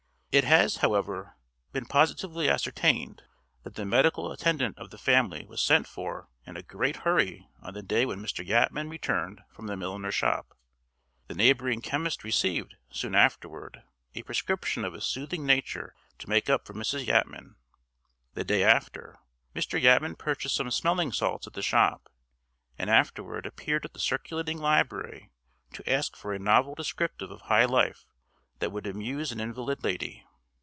It has, however, been positively ascertained that the medical attendant of the family was sent for in a great hurry on the day when Mr. Yatman returned from the milliner's shop. The neighboring chemist received, soon afterward, a prescription of a soothing nature to make up for Mrs. Yatman. The day after, Mr. Yatman purchased some smelling salts at the shop, and afterward appeared at the circulating library to ask for a novel descriptive of high life that would amuse an invalid lady.